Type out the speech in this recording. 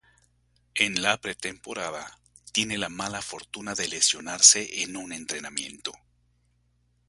En la pretemporada, tiene la mala fortuna de lesionarse en un entrenamiento.